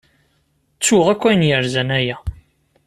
Ttuɣ akk ayen yerzan aya.